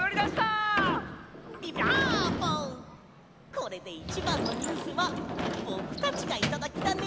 これでいちばんのニュースはぼくたちがいただきだね！